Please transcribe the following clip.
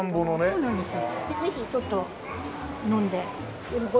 そうなんですよ。